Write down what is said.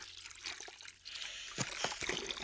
阳城缪侯。